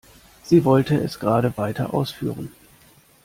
Sie wollte es gerade weiter ausführen.